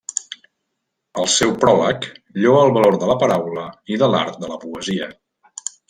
El seu pròleg lloa el valor de la paraula i de l'art de la poesia.